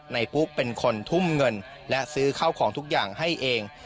ปุ๊กเป็นคนทุ่มเงินและซื้อข้าวของทุกอย่างให้เอง